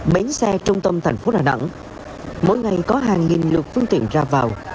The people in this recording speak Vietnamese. bến xe trung tâm thành phố đà nẵng mỗi ngày có hàng nghìn lượt phương tiện ra vào